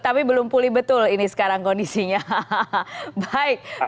tapi belum pulih betul ini sekarang kondisinya